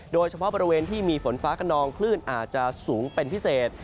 โดยเฉพาะบริเวณที่มีฝนฟ้ากระนองคลื่นอาจจะสูงเป็นพิเศษ